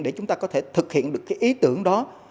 để chúng ta có thể thực hiện được cái ý tưởng đó